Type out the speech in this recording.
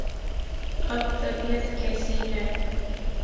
اب طبیعت کیسی ہے؟